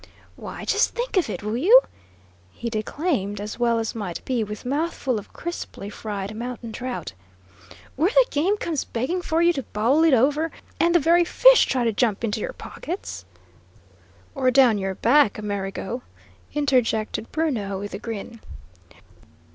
"Why, just think of it, will you?" he declaimed, as well as might be with mouth full of crisply fried mountain trout, "where the game comes begging for you to bowl it over, and the very fish try to jump into your pockets " "Or down your back, Amerigo," interjected Bruno, with a grin.